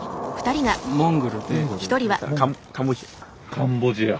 カンボジア。